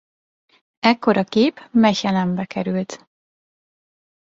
Ekkor a kép Mechelenbe került.